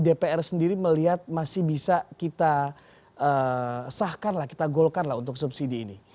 dpr sendiri melihat masih bisa kita sahkan lah kita golkan lah untuk subsidi ini